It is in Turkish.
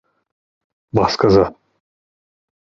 Bas gaza!